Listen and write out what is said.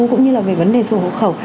cũng như về vấn đề số hộ khẩu